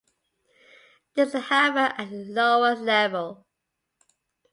This is however at a lower level.